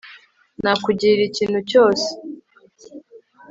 Nakugirira ikintu cyose